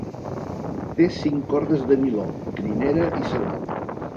Té cinc cordes de niló, crinera i sedal.